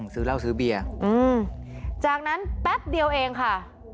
ซื้อเหล้าซื้อเบียร์จากนั้นแป๊บเดียวเองค่ะ